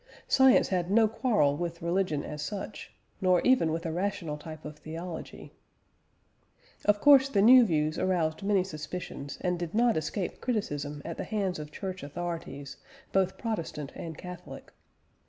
Science had no quarrel with religion as such, nor even with a rational type of theology. Of course the new views aroused many suspicions, and did not escape criticism at the hands of Church authorities, both Protestant and Catholic.